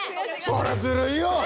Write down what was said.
そりゃずるいよ！